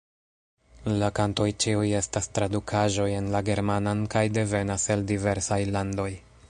La kantoj ĉiuj estas tradukaĵoj en la germanan kaj devenas el diversaj landoj.